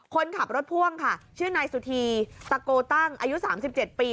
คนขับรถพ่วงค่ะชื่อนายสุธีตะโกตั้งอายุ๓๗ปี